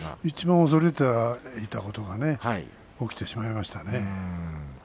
いちばん恐れていたことが起きてしまいましたね。